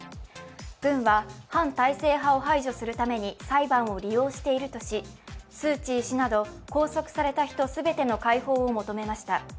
軍は反体制派を排除するために裁判を利用しているとし、スーチー氏など拘束された人全ての解放を求めました。